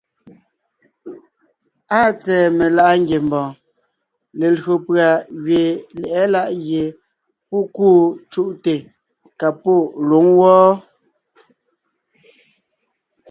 Áa tsɛ̀ɛ meláʼa ngiembɔɔn, lelÿò pʉ̀a gẅiin lyɛ̌ʼɛ láʼ gie pɔ́ kûu cúʼte ka pɔ́ lwǒŋ wɔ́ɔ.